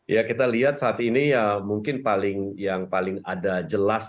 ya kita lihat saat ini ya mungkin yang paling ada jelas